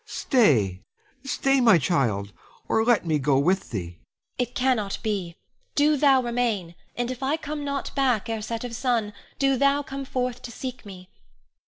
Stay, stay, my child, or let me go with thee. Ione. It cannot be; do thou remain, and if I come not back ere set of sun, do thou come forth to seek me.